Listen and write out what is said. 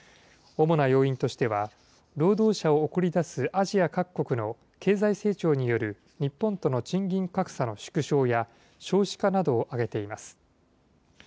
主な要因としては、労働者を送り出すアジア各国の経済成長による日本との賃金格差の縮小や、少子化などを挙げています。